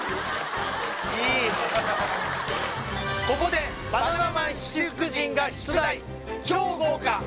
ここでバナナマン七福神が出題超豪華！